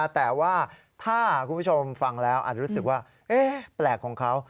แต่ว่าถ้าคุณผู้ชมฟังแล้วอาจจะรู้สึกว่าแปลกของเขา